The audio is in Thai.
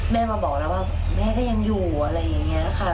แม่มาบอกแล้วว่าแม่ก็ยังอยู่อะไรอย่างนี้ค่ะ